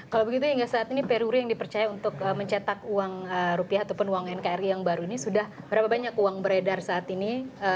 kalau begitu hingga saat ini peruri yang dipercaya untuk mencetak uang rupiah ataupun uang nkri yang baru ini sudah berapa banyak uang beredar saat ini